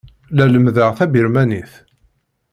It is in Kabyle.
La lemmdeɣ tabirmanit.